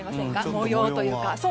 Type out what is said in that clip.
模様というか。